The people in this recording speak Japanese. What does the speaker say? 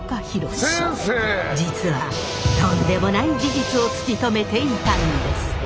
実はとんでもない事実を突き止めていたんです。